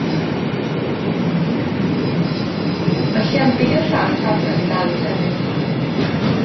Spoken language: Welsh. Mae lleiandy gerllaw'r safle yn dal i sefyll.